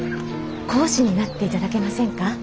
講師になっていただけませんか？